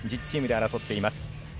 １０チームで争っています。